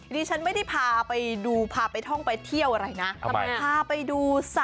ดิฉันไม่ได้พาไปดูพาไปท่องไปเที่ยวอะไรนะ